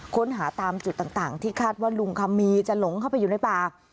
ค้นหาตามจุดต่างที่คาดว่าลุงคำมีจะหลงเข้าไปอยู่ในป่า